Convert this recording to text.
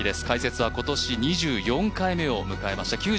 解説は今年、２４回目を迎えました